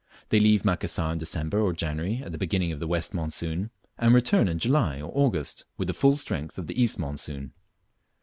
They leave Macassar in December or January at the beginning of the west monsoon, and return in July or August with the full strength of the east monsoon.